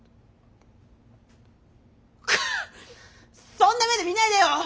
そんな目で見ないでよ！